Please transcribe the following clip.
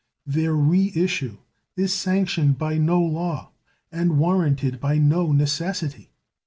Their re issue is sanctioned by no law and warranted by no necessity.